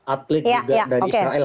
atlet juga dari israel